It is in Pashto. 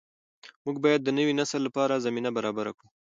موږ باید د نوي نسل لپاره زمینه برابره کړو.